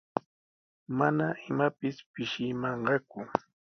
Mana imapis pishimanqaku.